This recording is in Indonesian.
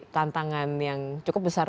tantangan yang cukup besar